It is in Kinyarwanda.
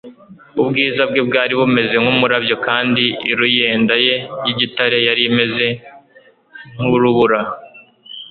«Ubwiza bwe bwari bumeze nk'umurabyo kandi iruyenda ye y'igitare yari imeze nk'uiubura.